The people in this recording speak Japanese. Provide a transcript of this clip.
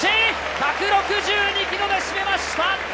１６２キロで攻めました。